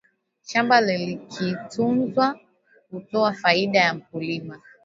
shamba likitunzwa hutoa faida kwa mkulima